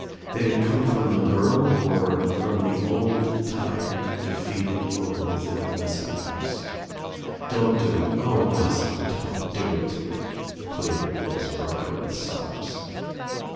Did it come from the girl or from the old tired defeated woman within the Wescott house? "Don't do it. O, Rosalind don't do it, pleaded a voice broken with sobs.